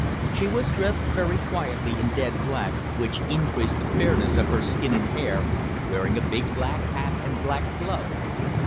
She was dressed very quietly in dead black, which increased the fairness of her skin and hair, wearing a big black hat and black gloves.